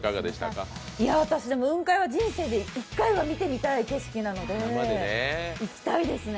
私雲海は人生で１回は見てみたい景色なので行きたいですね。